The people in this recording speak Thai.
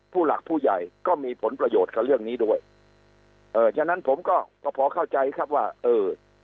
ผู้หลักผู้ใหญ่ก็มีผลประโยชน์กับเรื่องนี้ด้วยเออฉะนั้นผมก็ก็พอเข้าใจครับว่าเออ